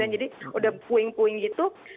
jadi udah puing puing gitu